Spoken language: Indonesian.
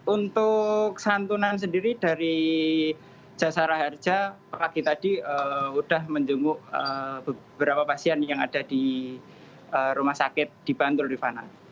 untuk santunan sendiri dari jasara harja pagi tadi sudah menjemuk beberapa pasien yang ada di rumah sakit dibantu irvana